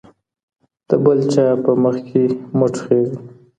د بل چا په مخ کې مه ټوخئ.